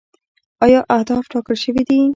آیا اهداف ټاکل شوي دي؟